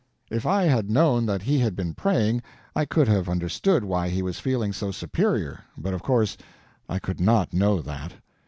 If I had know that he had been praying, I could have understood why he was feeling so superior, but of course I could not know that.